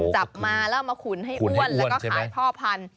จับมาแล้วมาขุนให้อ้วนแล้วก็ขายพ่อพันธุ